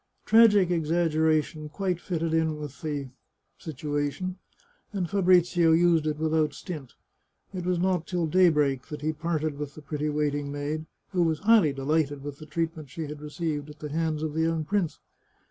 Tragic exaggeration quite fatted in with the situa tion, and Fabrizio used it without stint. It was not till day break that he parted with the pretty waiting maid, who was highly delighted with the treatment she had received at the hands of the young prince.